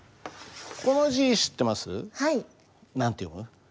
何て読む？